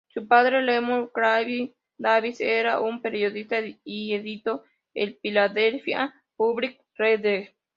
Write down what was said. Su padre, Lemuel Clarke Davis, era un periodista y editó el Philadelphia Public Ledger.